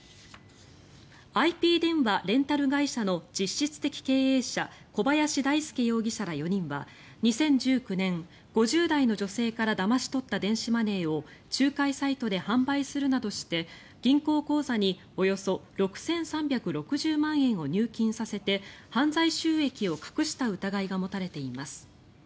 ＩＰ電話レンタル会社の実質的経営者小林大輔容疑者ら４人は２０１９年５０代の女性からだまし取った電子マネーを仲介サイトで販売するなどして銀行口座におよそ６３６０万円を入金させて犯罪収益を隠した疑いが持たれています。